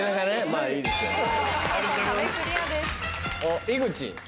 あっ井口。